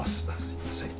すいません。